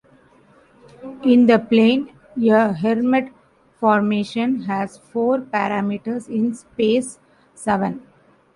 In the plane, a Helmert transformation has four parameters; in space, seven.